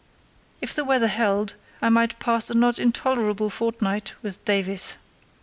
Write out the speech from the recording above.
If the weather held I might pass a not intolerable fortnight with Davies.